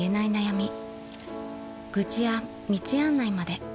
［愚痴や道案内まで］